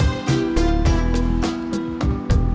iya di dalam sakit